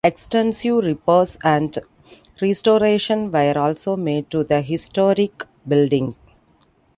Extensive repairs and restoration were also made to the historic building.